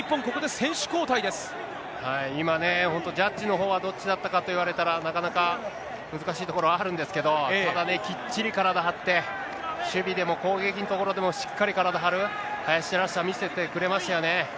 今ね、本当、ジャッジのほうはどっちかと言われたら、なかなか難しいところあるんですけど、ただね、きっちり体張って、守備でも攻撃のところでも、しっかり体張る、林らしさを見せてくれましたよね。